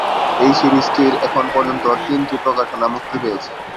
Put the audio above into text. এই সিরিজটির এখন পর্যন্ত তিনটি প্রকাশনা মুক্তি পেয়েছে।